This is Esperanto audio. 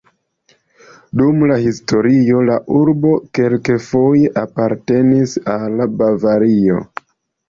Dum la historio la urbo kelkfoje apartenis al Bavario.